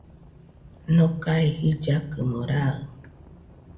Nokae jillakɨmo raɨ